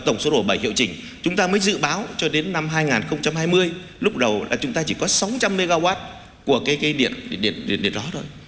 tổng số rổ bảy hiệu chỉnh chúng ta mới dự báo cho đến năm hai nghìn hai mươi lúc đầu là chúng ta chỉ có sáu trăm linh mw của cái điện đó thôi